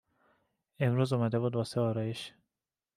امروز اومده بود واسه آرایش